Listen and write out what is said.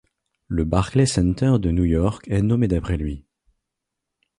Le Barclays Center de New York est nommé d'après lui.